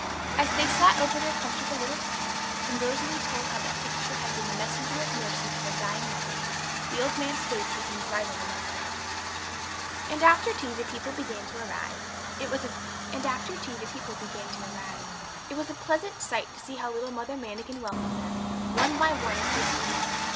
As they sat over their comfortable little tea, and Rosalie told how that picture had been the messenger of mercy to her dying mother, the old man's face became brighter than ever. And after tea the people began to arrive. It was a pleasant sight to see how little Mother Manikin welcomed them, one by one, as they came in.